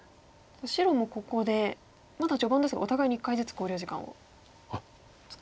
白もここでまだ序盤ですがお互いに１回ずつ考慮時間を使いましたね。